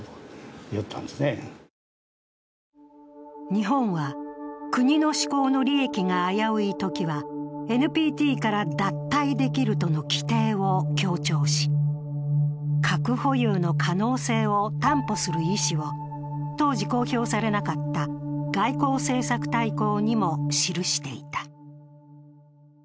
日本は、国の至高の利益が危ういときはＮＰＴから脱退できるとの規定を強調し核保有の可能性を担保する意志を当時公表されなかった外交政策大綱にも記していた。